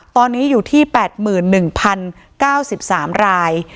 ตอนนี้อยู่ที่๘๑๐๙๓ราย